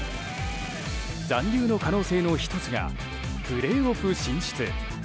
残留の可能性の１つがプレーオフ進出。